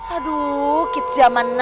aduh kita zaman now